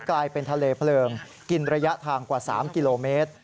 กลายเป็นทะเลเพลิงกินระยะทางกว่า๓กิโลเมตร